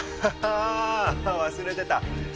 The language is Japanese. ああ忘れてた。